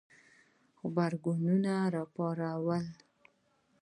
غبرګونونه پارولي